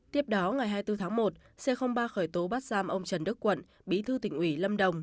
tiếp đó ngày hai mươi bốn tháng một c ba khởi tố bắt giam ông trần đức quận bí thư tỉnh ủy lâm đồng